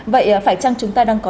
vậy phải chăng chúng ta đang có